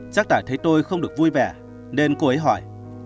chắc đã thấy tôi không được vui vẻ nên cô ấy hỏi